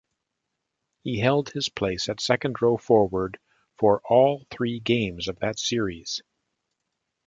He held his place at second-row forward for all three games of that series.